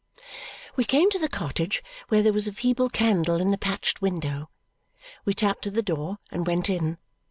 We came to the cottage, where there was a feeble candle in the patched window. We tapped at the door and went in.